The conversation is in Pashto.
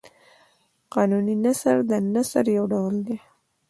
قانوني نثر د نثر یو ډول دﺉ.